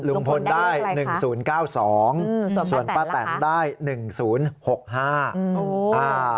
ลุงพลได้เลขอะไรคะส่วนป้าแตนล่ะคะลุงพลได้๑๐๙๒ส่วนป้าแตนได้๑๐๖๕